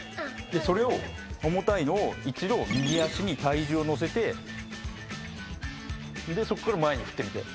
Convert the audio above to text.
それを重たいのを一度右足に体重を乗せてそこから前に振ってみて。